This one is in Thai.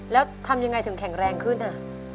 แล้วทำยังไงถึงแข็งแรงขึ้น